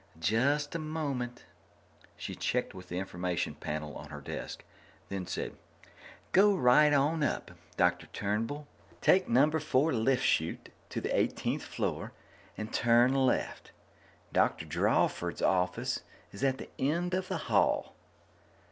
"Just a moment." She checked with the information panel on her desk, then said: "Go right on up, Dr. Turnbull. Take Number Four Lift Chute to the eighteenth floor and turn left. Dr. Drawford's office is at the end of the hall."